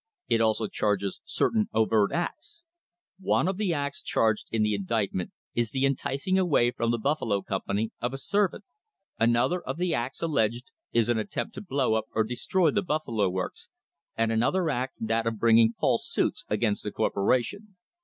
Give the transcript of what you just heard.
"It also charges certain overt acts. One of the acts charged in the indictment is the enticing away from the Buffalo company of a servant. Another of the acts alleged is an attempt to blow up or destroy the Buffalo Works, and another act that of bringing false suits against the corpo ration.